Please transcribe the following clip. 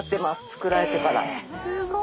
作られてから。